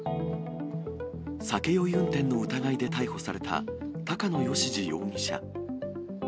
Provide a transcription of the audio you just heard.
酒酔い運転の疑いで逮捕された、高野吉樹容疑者。